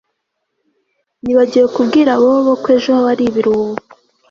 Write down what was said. Nibagiwe kubwira Bobo ko ejo wari ibiruhuko